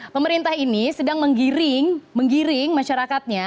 pemerintah ini sedang menggiring masyarakatnya